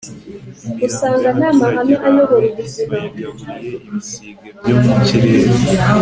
imirambo y'abagaragu bawe, bayigaburiye ibisiga byo mu kirere